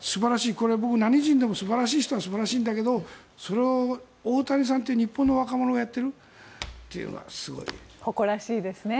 これは何人でも素晴らしい人は素晴らしいんだけどそれを大谷さんという日本の若者がやっているのは誇らしいですね。